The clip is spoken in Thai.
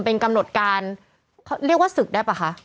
เป็นกำหนดการเขาเรียกว่าศึกได้ป่ะคะ